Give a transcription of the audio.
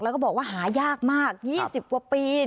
แล้วก็บอกว่าหายากมาก๒๐กว่าปี